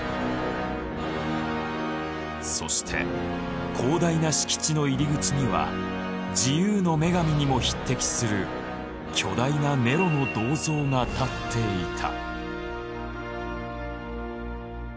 そして広大な敷地の入り口には自由の女神にも匹敵する巨大なネロの銅像が建っていた。